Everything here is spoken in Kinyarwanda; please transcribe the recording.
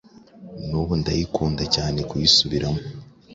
nubu ndayikunda cyane kuyisubiramo